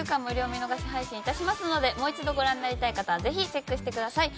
見逃し配信いたしますのでもう一度ご覧になりたい方はぜひチェックしてください。